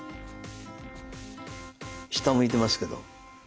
下向いてますけど。